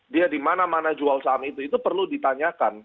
dia dimana mana jual saham itu itu perlu ditanyakan